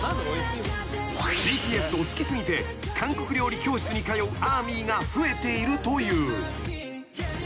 ［ＢＴＳを好き過ぎて韓国料理教室に通うＡＲＭＹが増えているという］